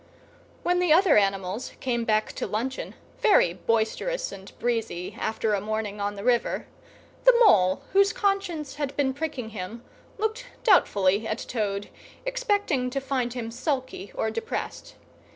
When the other animals came back to luncheon, very boisterous and breezy after a morning on the river, the Mole, whose conscience had been pricking him, looked doubtfully at Toad, expecting to find him sulky or depressed.